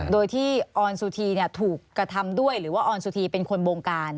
โดยที่ออนสุธีถูกกระทำด้วยหรือว่าออนสุธีเป็นคนบงการ